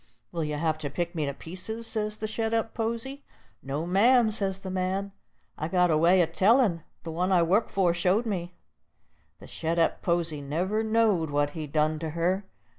"Will you have to pick me to pieces?" says the shet up posy. "No, ma'am," says the man; "I've got a way o' tellin', the one I work for showed me." The shet up posy never knowed what he done to her.